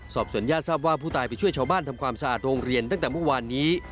สอบส่วนญาติทราบว่าผู้ตายไปช่วยชาวบ้านทำความสะอาดโรงเรียนตั้งแต่เมื่อวานนี้